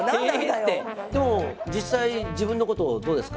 でも実際自分のことどうですか？